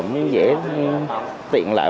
nhưng dễ tiện lại